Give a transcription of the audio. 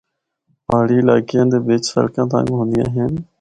پہاڑی علاقیاں دے بچ سڑکاں تنگ ہوندیاں ہن۔